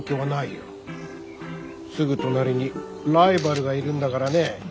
すぐ隣にライバルがいるんだからね。